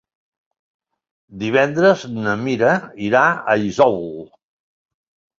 Divendres na Mira irà a Isòvol.